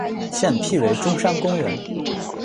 现辟为中山公园。